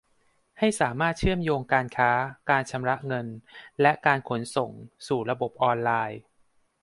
ให้สามารถเชื่อมโยงการค้า การชำระเงิน และการขนส่งสู่ระบบออนไลน์